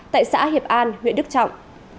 tại xã hiệp an huyện đức trọng